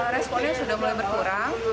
responnya sudah mulai berkurang